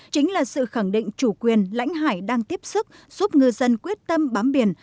chính là sự khẳng định chủ quyền lãnh hải đang tiếp sức giúp ngư dân quyết tâm bám biển